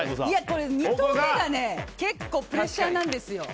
２投目がプレッシャーなんです。